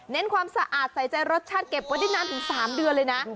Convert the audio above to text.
ความสะอาดใส่ใจรสชาติเก็บไว้ได้นานถึง๓เดือนเลยนะ